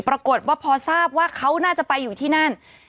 ปรากฏว่าพอทราบว่าเขาน่าจะไปอยู่ที่นั่น